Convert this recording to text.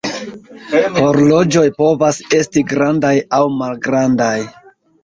Horloĝoj povas esti grandaj aŭ malgrandaj.